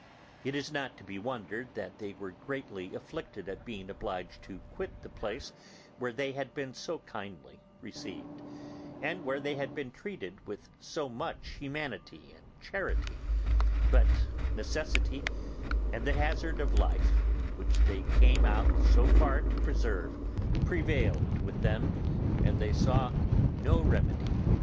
It is not to be wondered that they were greatly afflicted at being obliged to quit the place where they had been so kindly received, and where they had been treated with so much humanity and charity; but necessity and the hazard of life, which they came out so far to preserve, prevailed with them, and they saw no remedy.